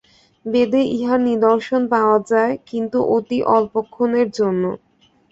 বেদে ইহার নিদর্শন পাওয়া যায়, কিন্তু অতি অল্পক্ষণের জন্য।